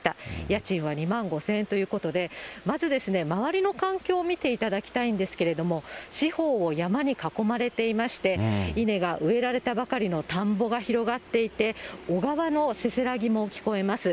家賃は２万５０００円ということで、まず、周りの環境を見ていただきたいんですけれども、四方を山に囲まれていまして、稲が植えられたばかりの田んぼが広がっていて、小川のせせらぎも聞こえます。